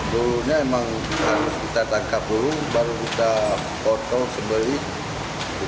daging ayam kampung dan ciri khas daun temurui atau daun pandan pada masakan